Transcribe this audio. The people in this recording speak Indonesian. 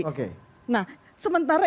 oke nah sementara